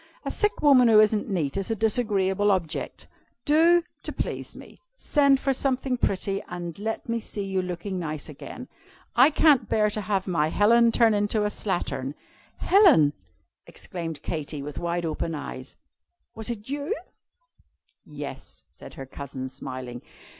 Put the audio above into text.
A sick woman who isn't neat is a disagreeable object. Do, to please me, send for something pretty, and let me see you looking nice again. I can't bear to have my Helen turn into a slattern.'" "Helen!" exclaimed Katy, with wide open eyes, "was it you?" "Yes," said her cousin, smiling.